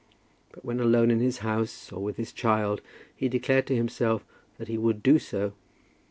But when alone in his house, or with his child, he declared to himself that he would do so.